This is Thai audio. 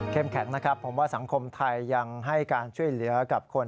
แข็งนะครับผมว่าสังคมไทยยังให้การช่วยเหลือกับคน